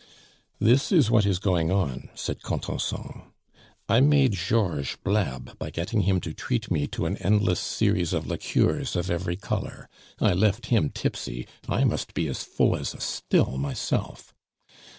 "This is what is going on," said Contenson. "I made Georges blab by getting him to treat me to an endless series of liqueurs of every color I left him tipsy; I must be as full as a still myself!